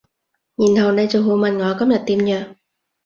然後你就會問我今日點樣